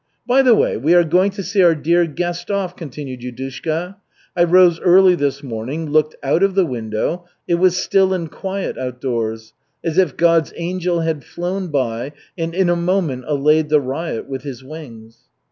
"By the way, we are going to see our dear guest off," continued Yudushka. "I rose early this morning, looked out of the window it was still and quiet outdoors, as if God's angel had flown by and in a moment allayed the riot with his wings."